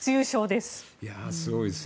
すごいですね。